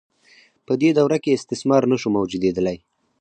په دې دوره کې استثمار نشو موجودیدلای.